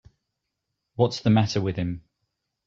What's the matter with him.